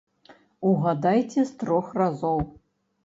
Угадайце з трох разоў.